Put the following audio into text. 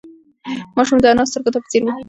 ماشوم د انا سترگو ته په ځير وکتل.